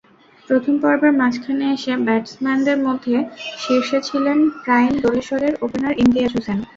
প্রথম পর্বের মাঝখানে এসে ব্যাটসম্যানদের মধ্যে শীর্ষে ছিলেন প্রাইম দোলেশ্বরের ওপেনার ইমতিয়াজ হোসেন।